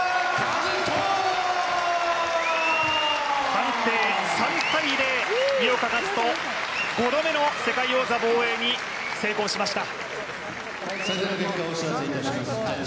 判定３−０井岡一翔、５度目の世界王座防衛に成功しました。